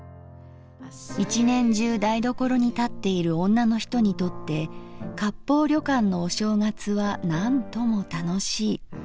一年中台所に立っている女の人にとって割烹旅館のお正月はなんとも楽しい。